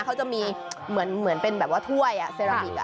เขาจะมีเหมือนเป็นแบบว่าถ้วยเซราบิก